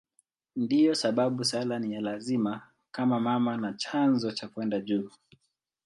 Ndiyo sababu sala ni ya lazima kama mama na chanzo cha kwenda juu.